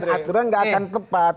aturan gak akan tepat